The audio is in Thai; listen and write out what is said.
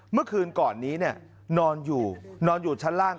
เมื่อคืนก่อนนี้นอนอยู่นอนอยู่ชั้นล่าง